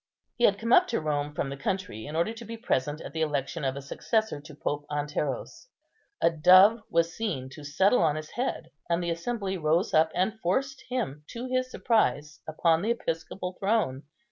He had come up to Rome from the country, in order to be present at the election of a successor to Pope Anteros. A dove was seen to settle on his head, and the assembly rose up and forced him, to his surprise, upon the episcopal throne.